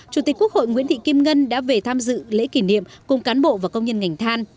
chủ tịch quốc hội nguyễn thị kim ngân đã về tham dự lễ kỷ niệm cùng cán bộ và công nhân ngành than